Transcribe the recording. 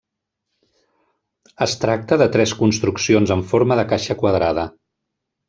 Es tracta de tres construccions en forma de caixa quadrada.